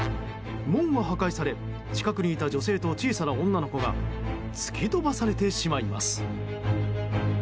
門は破壊され近くにいた女性と小さな女の子が突き飛ばされてしまいます。